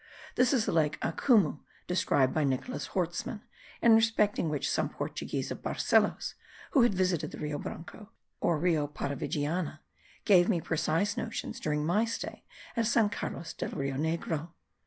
This is the lake Amucu described by Nicolas Hortsmann, and respecting which some Portuguese of Barcelos, who had visited the Rio Branco (Rio Parima or Rio Paravigiana), gave me precise notions during my stay at San Carlos del Rio Negro.